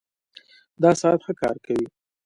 دا ساعت ښه کار کوي